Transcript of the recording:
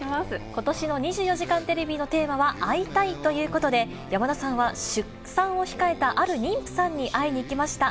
ことしの２４時間テレビのテーマは会いたい！ということで、山田さんは出産を控えたある妊婦さんに会いにいきました。